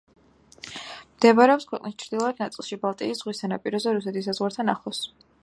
მდებარეობს ქვეყნის ჩდილოეთ ნაწილში, ბალტიის ზღვის სანაპიროზე, რუსეთის საზღვართან ახლოს.